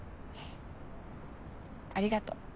ありがとう。